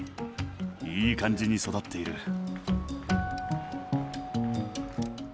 いい感じに育っている。